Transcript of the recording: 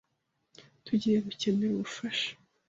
Tugiye gukenera ubufasha.